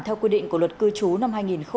theo quy định của luật cư trú năm hai nghìn hai mươi